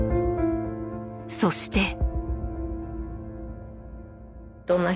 そして。